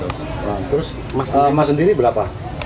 terus emas sendiri berapa